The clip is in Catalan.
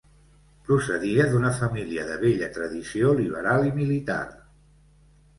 Procedia d'una família de vella tradició liberal i militar.